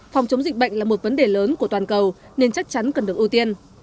phòng chống dịch bệnh là một vấn đề lớn của toàn cầu nên chắc chắn cần được ưu tiên